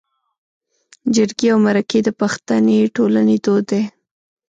جرګې او مرکې د پښتني ټولنې دود دی